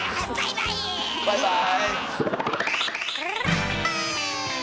バイバーイ！